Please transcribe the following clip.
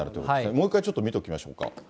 もう一回、ちょっと見ておきましょうか。